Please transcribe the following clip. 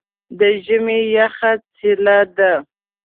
د ژمي یخه څیله ده.